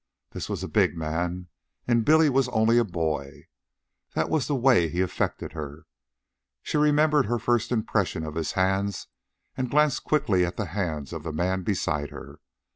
This was a big man, and Billy was only a boy. That was the way he affected her. She remembered her first impression of his hands and glanced quickly at the hands of the man beside her.